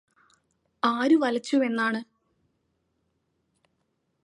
ആര് വലച്ചു എന്നാണ്